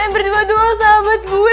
berdua dua sahabat gue